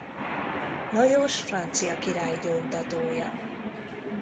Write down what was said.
Lajos francia király gyóntatója.